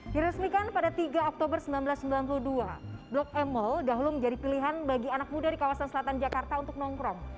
diresmikan pada tiga oktober seribu sembilan ratus sembilan puluh dua blok m mall dahulu menjadi pilihan bagi anak muda di kawasan selatan jakarta untuk nongkrong